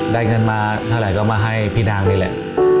ได้เงินมาเท่าไหร่ก็มาให้พี่นางนี่แหละ